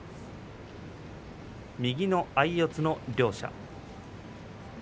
右の相四つの両者。